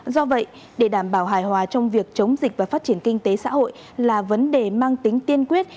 do vậy để đảm bảo hài hòa trong việc chống dịch và phát triển kinh tế xã hội là vấn đề mang tính tiên quyết